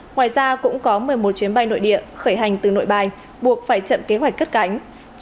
ngoài ra cũng có một mươi một chuyến bay nội địa khởi hành từ nội bài buộc phải chậm kế hoạch cất cánh